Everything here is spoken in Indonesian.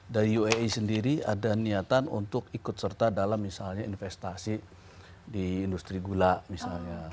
dari uae sendiri ada niatan untuk ikut serta dalam misalnya investasi di industri gula misalnya